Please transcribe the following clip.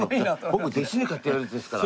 僕弟子に買ってやるんですから。